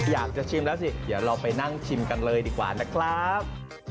อยากจะชิมแล้วสิเดี๋ยวเราไปนั่งชิมกันเลยดีกว่านะครับ